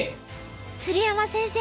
鶴山先生